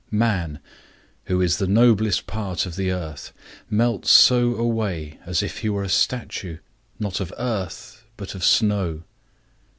Man, who is the noblest part of the earth, melts so away, as if he were a statue, not of earth, but of snow.